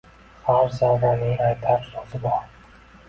Har zarraning aytar soʼzi bor